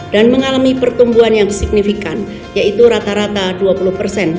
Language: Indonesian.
dan mengalami pertumbuhan yang signifikan yaitu rata rata dua puluh persen